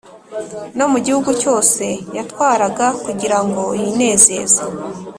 no mu gihugu cyose yatwaraga, kugira ngo yinezeze